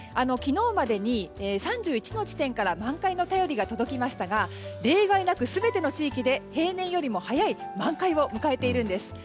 昨日までに３１の地点から満開の便りが届きましたが例外なく全ての地域で平年より早い満開を迎えているんです。